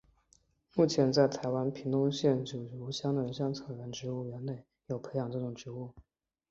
目前在台湾屏东县九如乡的香药草植物园区内有培植这种植物。